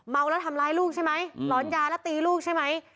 เมาแล้วทำร้ายลูกใช่ไหมหลอนยาแล้วตีลูกใช่ไหม